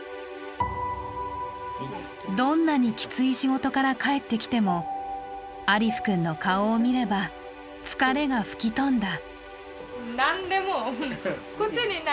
どんなにきつい仕事から帰ってきても、アリフ君の顔を見れば疲れが吹き飛んだ。